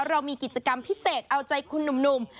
เรามีกิจกรรมพิเศษเอาใจคุณหนุ่ม